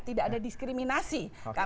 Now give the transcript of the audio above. tidak ada diskriminasi